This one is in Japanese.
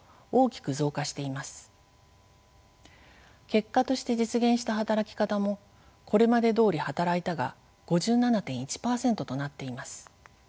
「結果として実現した働き方」も「これまでどおり働いた」が５７．１％となっています。